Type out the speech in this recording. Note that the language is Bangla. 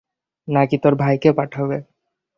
নাকি তোর ভাইকে পাঠাবে?